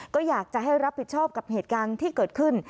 ก็อยากจะให้รับผิดชอบกับเหตุการณ์ที่เกิดขึ้น